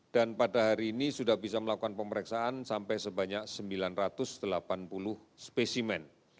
dan pada hari ini sudah bisa melakukan pemeriksaan sampai sebanyak sembilan ratus delapan puluh spesimen